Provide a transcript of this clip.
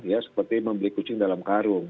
ya seperti membeli kucing dalam karung